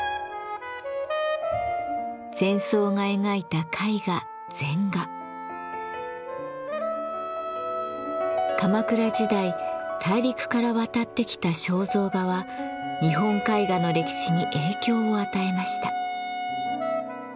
禅僧が描いた絵画鎌倉時代大陸から渡ってきた肖像画は日本絵画の歴史に影響を与えました。